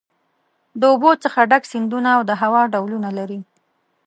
د اوبو څخه ډک سیندونه او د هوا ډولونه لري.